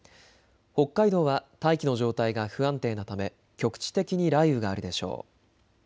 北海道は大気の状態が不安定なため局地的に雷雨があるでしょう。